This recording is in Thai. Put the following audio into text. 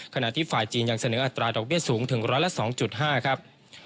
ขณะที่ฝ่ายจีนยังเสนออัตราดอกเบี้ยสูงถึงร้อยละ๒๕ครับ